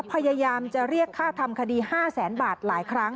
พยายามจะเรียกค่าทำคดี๕แสนบาทหลายครั้ง